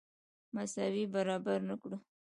مساوي برابر نه کړو.